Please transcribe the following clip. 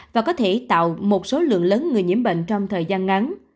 và có thể tạo một số lượng lớn người nhiễm bệnh trong thời gian ngắn